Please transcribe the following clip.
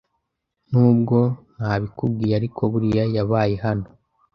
Nubwo ntabikubwiye ariko buriya yabaye hano